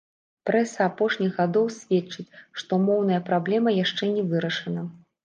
Прэса апошніх гадоў сведчыць, што моўная праблема яшчэ не вырашана.